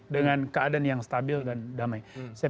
dengan keadaan yang stabil dan damai